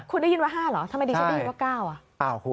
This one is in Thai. คุณได้ยินว่า๕เหรอทำไมดิฉันได้ยินว่า๙อ่ะ